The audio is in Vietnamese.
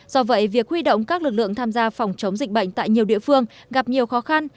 do vậy việc huy động các lực lượng tham gia phòng chống dịch bệnh tại nhiều địa phương gặp nhiều khó khăn